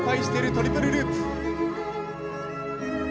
トリプルループ。